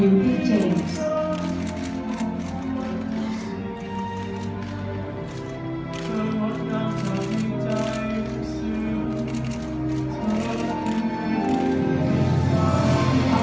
สวัสดีครับทุกคน